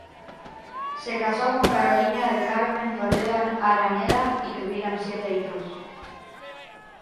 Se casó con Carolina del Carmen Toledo Araneda y tuvieron siete hijos.